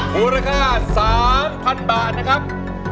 มูลค่า๓๐๐๐บาทนะครับ